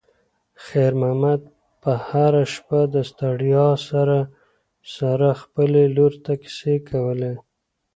خیر محمد به هره شپه د ستړیا سره سره خپلې لور ته کیسې کولې.